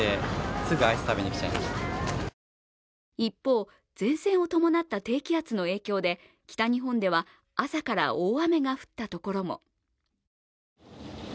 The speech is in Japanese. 一方、前線を伴った低気圧の影響で北日本では朝から大雨が降ったところも。